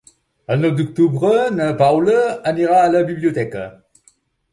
El nou d'octubre na Paula anirà a la biblioteca.